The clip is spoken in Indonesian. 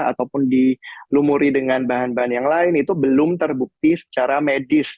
ataupun dilumuri dengan bahan bahan yang lain itu belum terbukti secara medis